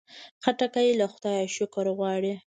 خټکی له خدایه شکر غواړي.